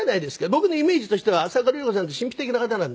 僕のイメージとしては浅丘ルリ子さんって神秘的な方なんですよ。